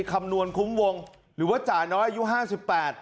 คำนวณคุ้งวงหรือว่าจ่ายน้อยอายุ๕๘